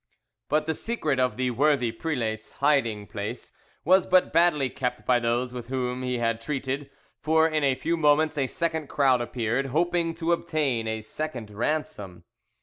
But the secret of the worthy prelate's hiding place was but badly kept by those with whom he had treated; for in a few moments a second crowd appeared, hoping to obtain a second ransom.